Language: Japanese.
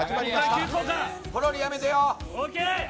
ポロリやめてよ！